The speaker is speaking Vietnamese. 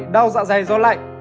bảy đau dạ dày do lạnh